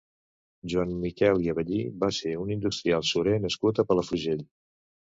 Joan Miquel i Avellí va ser un industrial surer nascut a Palafrugell.